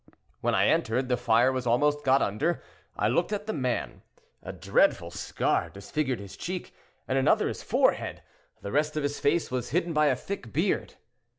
When I entered, the fire was almost got under. I looked at the man; a dreadful scar disfigured his cheek, and another his forehead; the rest of his face was hidden by a thick beard.